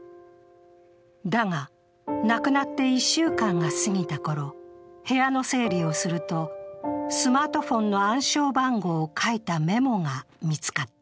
だが、亡くなって１週間が過ぎたころ、部屋の整理をすると、スマートフォンの暗証番号を書いたメモが見つかった。